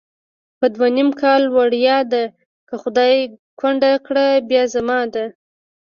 په دوه نیم کله وړیا ده، که خدای کونډه کړه بیا زما ده